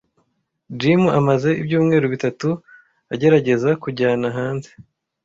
Jim amaze ibyumweru bitatu agerageza kunjyana hanze.